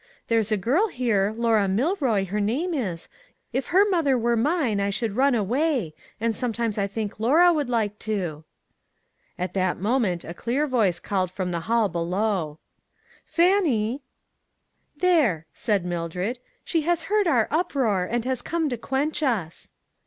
There's a girl here, Laura Milroy, her name is, if her mother were mine I should run away, and sometimes I think Laura, would like to." At that moment a clear voice called from the hall below :" Fannie !"" There I " said Mildred, " she has hearcl our uproar, and. has come to quench us."